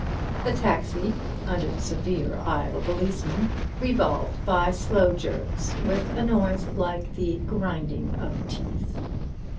The taxi, under the severe eye of a policeman, revolved by slow jerks, with a noise like the grinding of teeth.